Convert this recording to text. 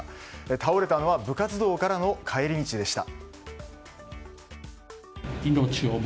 倒れたのは部活動からの帰り道でした。